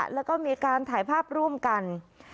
แล้วก็มีการถ่ายภาพร่วมกัน